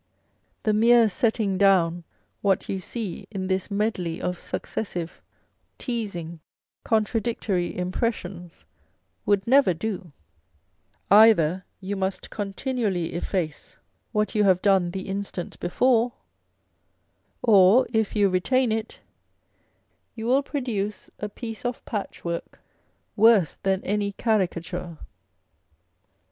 The mere setting down what you see in this medley of successive, teazing, contradictory impressions, would never do ; either you must continually On a Portrait by Vandyke. 4 1)5 efface what you have done the instant before, or if you retain it, you will produce a piece of patchwork, worse than any caricature.